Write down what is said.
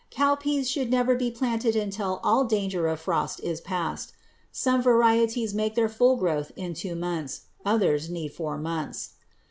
Cowpeas should never be planted until all danger of frost is past. Some varieties make their full growth in two months; others need four months.